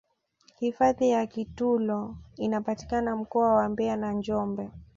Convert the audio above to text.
hifadhi ya kitulo inapatikana mkoa wa mbeya na njombe